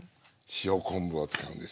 塩昆布を使うんです。